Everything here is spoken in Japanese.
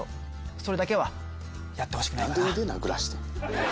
それだけはやってほしくないな。